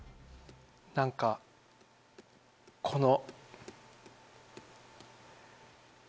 何かこの。